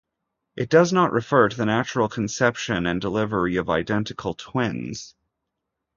It does not refer to the natural conception and delivery of identical twins.